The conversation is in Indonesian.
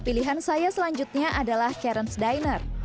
pilihan saya selanjutnya adalah karen s diner